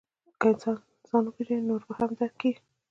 که انسان ځان وپېژني، نو نور به هم درک کړي.